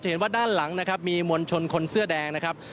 เห็นว่าด้านหลังนะครับมีมวลชนคนเสื้อแดงนะครับ